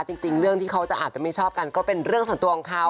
จริงเรื่องที่เขาจะอาจจะไม่ชอบกันก็เป็นเรื่องส่วนตัวของเขา